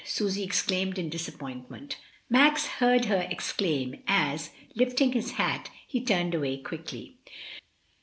Susy exclaimed in disappointment Max heard her exclaim as, lifting his hat, he turned away quickly.